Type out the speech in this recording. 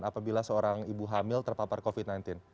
apabila seorang ibu hamil terpapar covid sembilan belas